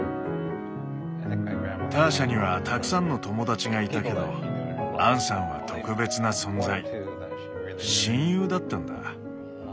ターシャにはたくさんの友だちがいたけどアンさんは特別な存在親友だったんだ。